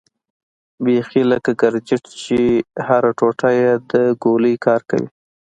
بيخي لکه ګرنېټ چې هره ټوټه يې د ګولۍ کار کوي.